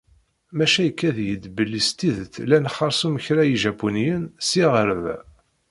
Maca ikad-iyi-d belli s tidet llan xersum kra Ijapuniyen ssya ɣer da.